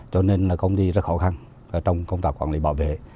cho nên công ty rất khó khăn trong công tác quản lý bảo vệ